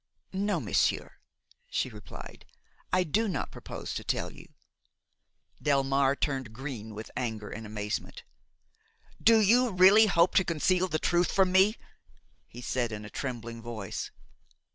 "No, monsieur," she replied, "I do not propose to tell you." Delmare turned green with anger and amazement. "Do you really hope to conceal the truth from me?" he said, in a trembling voice.